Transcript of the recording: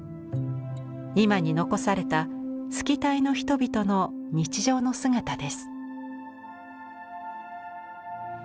今に残されたスキタイの人々の日常の姿です。